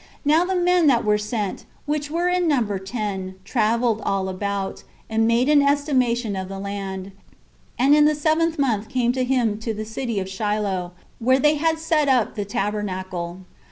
Now the men that were sent, which were in number ten, traveled all about, and made an estimation of the land, and in the seventh month came to him to the city of Shiloh, where they had set up the tabernacle.